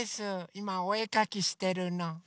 いまおえかきしてるの。